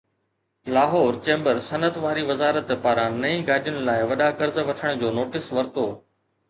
Lahore chamber صنعت واري وزارت پاران نئين گاڏين لاءِ وڏا قرض وٺڻ جو نوٽيس ورتو